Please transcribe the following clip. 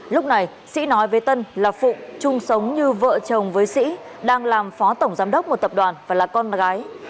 lúc này sĩ nói với tân là phụng chung sống như vợ chồng với sĩ đang làm phó tổng giám đốc một tập đoàn và là con gái